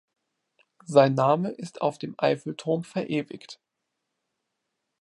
Sein Name ist auf dem Eiffelturm verewigt.